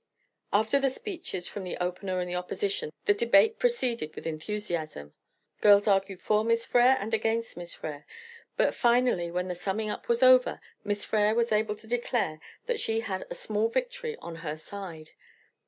After the speeches from the opener and the opposition, the debate proceeded with enthusiasm. Girls argued for Miss Frere and against Miss Frere; but finally, when the summing up was over, Miss Frere was able to declare that she had a small victory on her side.